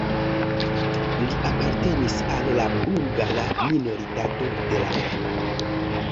Li apartenis al la bulgara minoritato de la lando.